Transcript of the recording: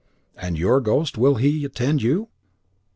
"And your ghost, will he attend you?"